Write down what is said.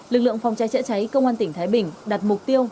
lực lượng phòng cháy chữa cháy công an tỉnh thái bình đặt mục tiêu